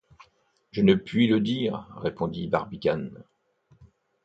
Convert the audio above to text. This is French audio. Je ne puis le dire, répondit Barbicane.